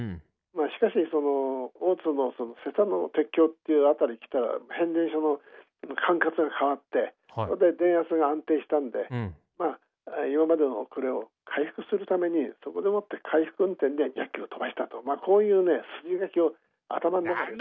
しかし大津の瀬田の鉄橋っていう辺り来たら変電所の管轄が変わってそれで電圧が安定したんで今までの遅れを回復するためにそこでもって回復運転で２００キロ飛ばしたとこういうね筋書きを頭の中で作って。